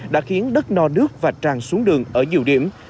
đã khiến đất no nước và tràn xuống đường ở nhiều điểm